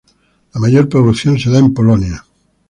La mayor producción se da en Polonia.